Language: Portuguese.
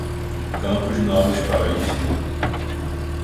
Campos Novos Paulista